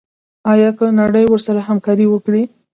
آیا که نړۍ ورسره همکاري وکړي؟